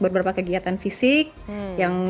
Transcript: beberapa kegiatan fisik yang